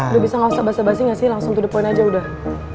udah bisa gak usah basa basi gak sih langsung to the point aja udah